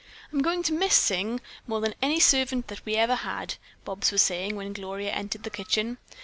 "I'm going to miss Sing more than any servant that we ever had," Bobs was saying when Gloria entered the kitchen.